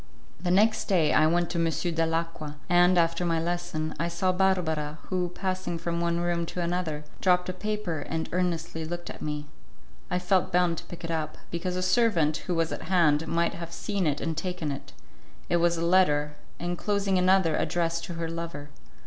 The next day I went to M. Dalacqua, and, after my lesson, I saw Barbara who, passing from one room to another, dropped a paper and earnestly looked at me. I felt bound to pick it up, because a servant, who was at hand, might have seen it and taken it. It was a letter, enclosing another addressed to her lover.